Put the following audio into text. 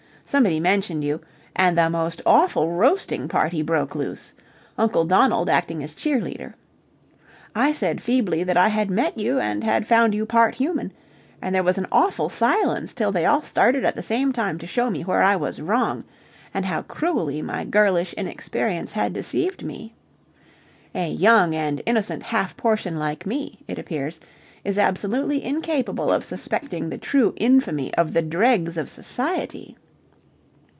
Somebody mentioned you, and the most awful roasting party broke loose. Uncle Donald acting as cheer leader. I said feebly that I had met you and had found you part human, and there was an awful silence till they all started at the same time to show me where I was wrong, and how cruelly my girlish inexperience had deceived me. A young and innocent half portion like me, it appears, is absolutely incapable of suspecting the true infamy of the dregs of society.